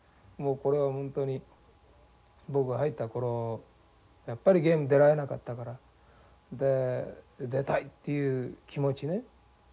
これは本当に僕が入った頃やっぱりゲーム出られなかったから出たいっていう気持ちね